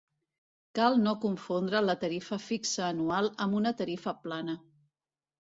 Cal no confondre la tarifa fixa anual amb una tarifa plana.